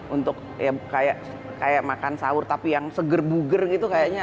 untuk ya kayak makan sahur tapi yang seger buger gitu kayaknya